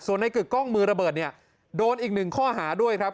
ส่วนในกึกกล้องมือระเบิดเนี่ยโดนอีกหนึ่งข้อหาด้วยครับ